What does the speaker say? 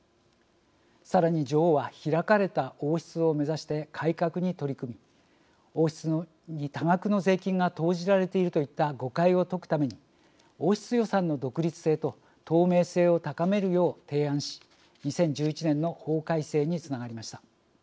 さらに女王は「開かれた王室」を目指して改革に取り組み王室に多額の税金が投じられているといった誤解を解くために王室予算の独立性と透明性を高めるよう提案し２０１１年の法改正につながりました。